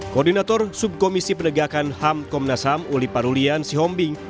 koordinator subkomisi penegakan ham komnas ham uli parulian sihombing